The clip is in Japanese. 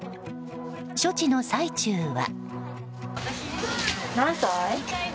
処置の最中は。